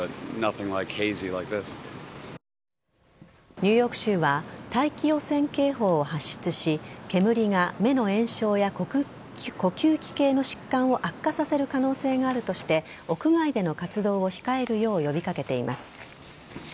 ニューヨーク州は大気汚染警報を発出し煙が目の炎症や呼吸器系の疾患を悪化させる可能性があるとして屋外での活動を控えるよう呼び掛けています。